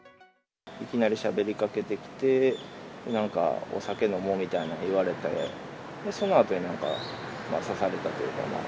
いきなりしゃべりかけてきて、なんか、お酒飲もうみたいなの言われて、そのあとになんか刺されたというか、まあ。